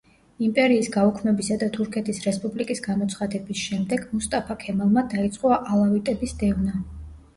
იმპერიის გაუქმებისა და თურქეთის რესპუბლიკის გამოცხადების შემდეგ მუსტაფა ქემალმა დაიწყო ალავიტების დევნა.